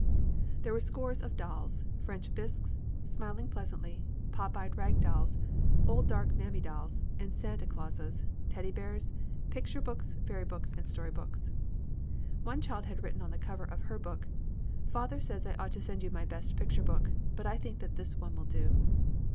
There were scores of dolls, French bisques, smiling pleasantly, pop eyed rag dolls, old darky mammy dolls, and Santa Clauses, teddy bears, picture books, fairy books and story books. One child had written on the cover of her book: "Father says I ought to send you my best picture book, but I think that this one will do."